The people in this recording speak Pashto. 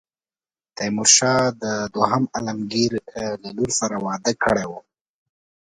تیمورشاه له دوهم عالمګیر لور سره واده کړی وو.